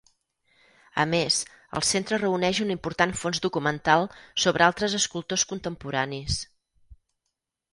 A més, el centre reuneix un important fons documental sobre altres escultors contemporanis.